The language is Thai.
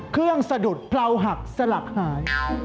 เครื่องสะดุดเพราหักสลักหาย